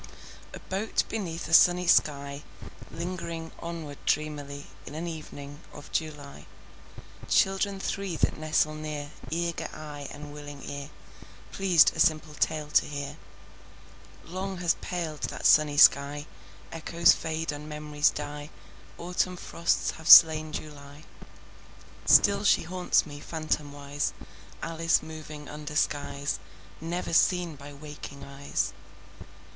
A boat beneath a sunny sky, Lingering onward dreamily In an evening of July— Children three that nestle near, Eager eye and willing ear, Pleased a simple tale to hear— Long has paled that sunny sky: Echoes fade and memories die. Autumn frosts have slain July. Still she haunts me, phantomwise, Alice moving under skies Never seen by waking eyes.